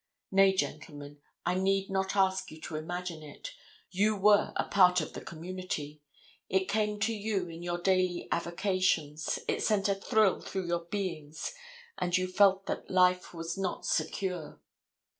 Nay, gentlemen, I need not ask you to imagine it. You were a part of the community. It came to you in your daily avocations, it sent a thrill through your beings and you felt that life was not secure.